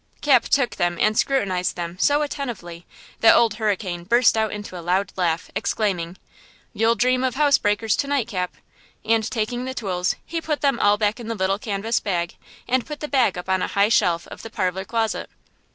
Cap took them and scrutinized them so attentively that Old Hurricane burst out into a loud laugh, exclaiming: "You'll dream of house breakers to night, Cap!" and taking the tools, he put them all back in the little canvas bag, and put the bag up on a high shelf of the parlor closet.